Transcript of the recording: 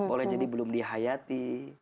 oleh jadi belum dihayati